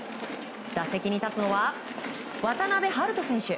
打席に立つのは渡部遼人選手。